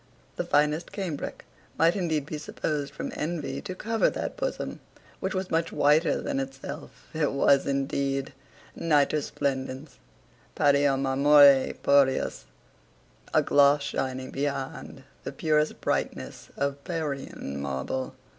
The finest cambric might indeed be supposed from envy to cover that bosom which was much whiter than itself. It was indeed, Nitor splendens Pario marmore purius. A gloss shining beyond the purest brightness of Parian marble.